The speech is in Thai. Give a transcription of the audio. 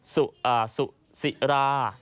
ซูซิรา